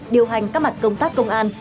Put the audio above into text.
điều hành các mặt công tác công an